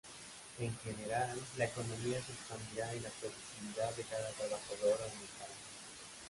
En general, la economía se expandirá, y la productividad de cada trabajador aumentará.